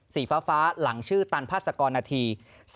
สีฟ้าหลังชื่อตันพาสกรนาที